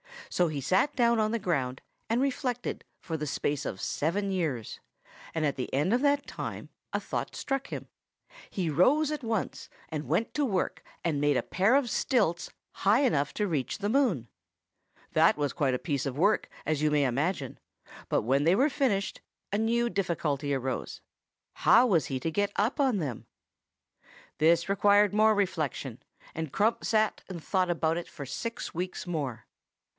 So he sat down on the ground and reflected for the space of seven years, and at the end of that time a thought struck him. "He rose at once, and went to work and made a pair of stilts, high enough to reach to the moon. That was quite a piece of work, as you may imagine; but when they were finished, a new difficulty arose: how was he to get up on them? This required more reflection, and Crump sat and thought about it for six weeks more.